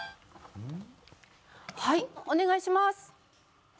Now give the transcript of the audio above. はいお願いします。